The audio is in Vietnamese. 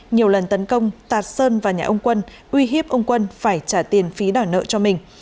nhiều lần tấn công tạt sơn vào nhà ông quân uy hiếp ông quân phải trả tiền phí đòi nợ cho mình